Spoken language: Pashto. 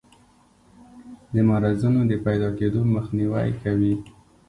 د مرضونو د پیداکیدو مخنیوی کوي.